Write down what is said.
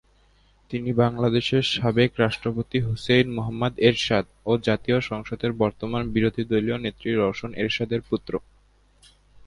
তিনি বাংলাদেশের সাবেক রাষ্ট্রপতি হুসেইন মুহাম্মদ এরশাদ ও জাতীয় সংসদের বর্তমান বিরোধীদলীয় নেত্রী রওশন এরশাদের পুত্র।